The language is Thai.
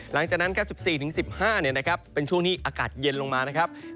หลังจากนั้น๑๔๑๕เป็นช่วงที่อากาศเย็นลงมานะครับ